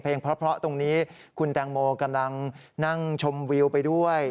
เพราะตรงนี้คุณแตงโมกำลังนั่งชมวิวไปด้วย